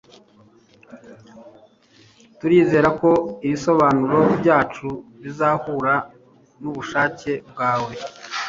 Turizera ko ibisobanuro byacu bizahura nubushake bwawe